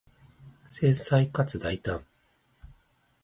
繊細かつ大胆